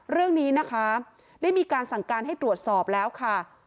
เรื่องนี้นะคะได้มีการสั่งการให้ตรวจสอบแล้วค่ะ